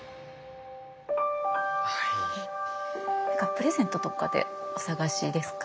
プレゼントとかでお探しですか？